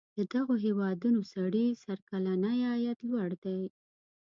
د دغو هیوادونو سړي سر کلنی عاید لوړ دی.